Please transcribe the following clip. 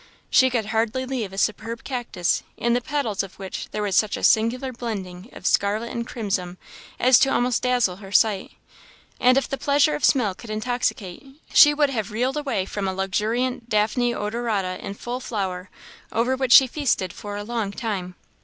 She could hardly leave a superb cactus, in the petals of which there was such a singular blending of scarlet and crimson as almost to dazzle her sight; and if the pleasure of smell could intoxicate, she would have reeled away from a luxuriant daphne odorata in full flower, over which she feasted for a long time.